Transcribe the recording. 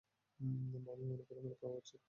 আমি মনে করি, আমার পাওয়া উচিত।